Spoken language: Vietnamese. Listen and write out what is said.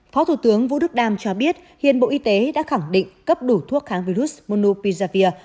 phó thủ tướng vũ đức đam cho biết hiện bộ y tế đã khẳng định cấp đủ thuốc kháng virus muno pizavir